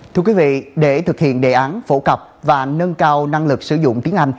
thưa quý vị để thực hiện đề án phổ cập và nâng cao năng lực sử dụng tiếng anh